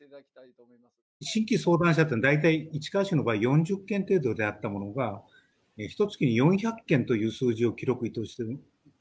新規相談者って大体市川市の場合４０件程度であったものがひとつきに４００件という数字を記録しております。